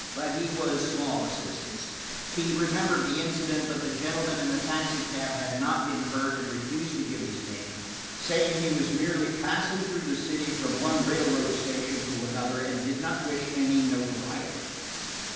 But he was of small assistance. He remembered the incident, but the gentleman in the taxicab had not been hurt and refused to give his name, saying he was merely passing through the city from one railroad station to another, and did not wish any notoriety.